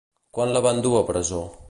Quan la van dur a presó?